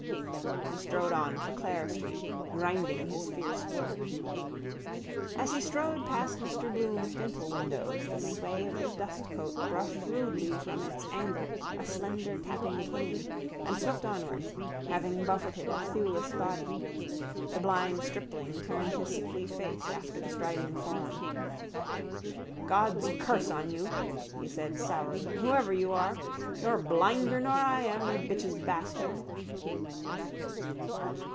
_ He strode on for Clare street, grinding his fierce word. As he strode past Mr Bloom's dental windows the sway of his dustcoat brushed rudely from its angle a slender tapping cane and swept onwards, having buffeted a thewless body. The blind stripling turned his sickly face after the striding form. —God's curse on you, he said sourly, whoever you are! You're blinder nor I am, you bitch's bastard!